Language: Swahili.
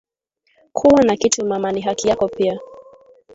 Kuwa na kitu mama ni haki yako pia